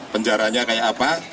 penjaranya kayak apa